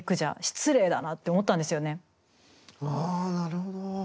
ああなるほど。